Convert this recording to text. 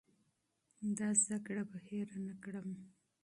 دا تجربه به هېر نه کړم.